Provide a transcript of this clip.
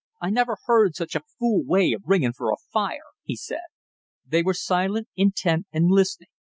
I never heard such a fool way of ringing for a fire!" he said. They were silent, intent and listening.